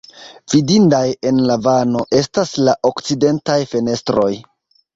Vidindaj en la navo estas la okcidentaj fenestroj.